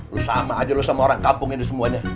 lu sama aja lu sama orang kampung ini semuanya